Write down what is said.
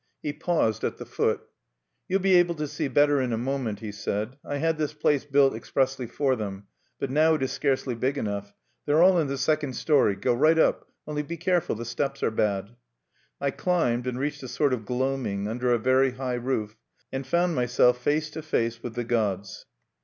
He paused at the foot. "You'll be able to see better in a moment," he said. "I had this place built expressly for them; but now it is scarcely big enough. They're all in the second story. Go right up; only be careful, the steps are bad." I climbed, and reached a sort of gloaming, under a very high roof, and found myself face to face with the gods.